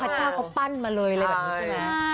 เจ้าเขาปั้นมาเลยอะไรแบบนี้ใช่ไหม